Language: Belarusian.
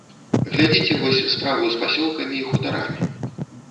Глядзіце вось справу з пасёлкамі і хутарамі.